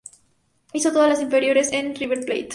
Hizo todas las inferiores en River Plate.